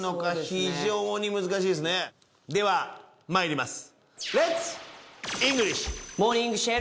ではまいります。